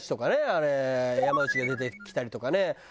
あれ山内が出てきたりとかね